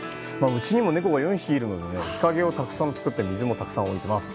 うちにも猫が４匹いるので日陰もたくさん作って水もたくさん置いています。